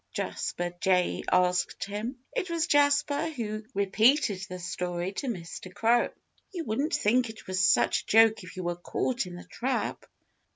Jasper Jay asked him. (It was Jasper who repeated the story to Mr. Crow.) "You wouldn't think it was such a joke if you were caught in the trap."